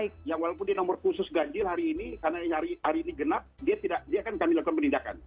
karena yang walaupun di nomor khusus gajil hari ini karena hari ini genap dia akan dilakukan penindakan